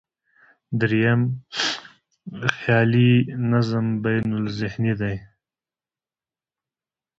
درېیم، خیالي نظم بینالذهني دی.